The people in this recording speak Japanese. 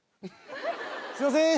すいません。